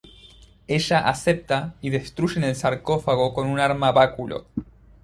Ella acepta y destruyen el Sarcófago con un arma báculo.